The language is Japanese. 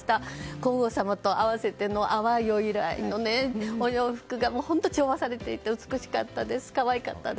皇后さまと合わせての淡いお色のお洋服が本当に調和されていて美しかったです。